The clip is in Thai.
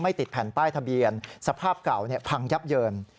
ติดแผ่นป้ายทะเบียนสภาพเก่าพังยับเยิน